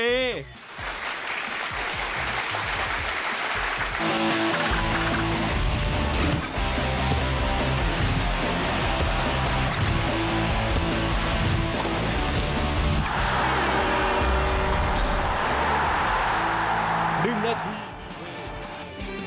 และนี่คือหนึ่งนาทีมีเฮ